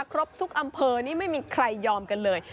ครบทุกอำเภอนี่ไม่มีใครยอมกันเลย